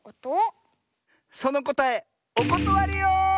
そのこたえおことわりよ！